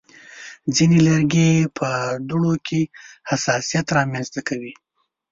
ځینې لرګي په دوړو کې حساسیت رامنځته کوي.